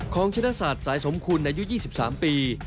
ของชนศาสตร์สายสมคุลในยุค๒๓ปี